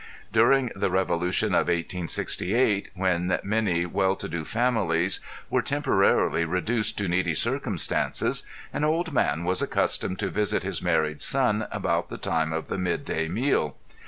During the revolution of 1868 when many well to do families were temporarily reduced to needy circumstances an old man was accustomed to visit his married son about the time of the mid day meal.